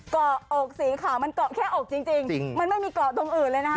เกาะอกสีขาวมันเกาะแค่อกจริงมันไม่มีเกาะตรงอื่นเลยนะคะ